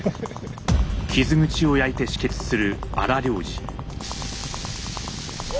傷口を焼いて止血する荒療治。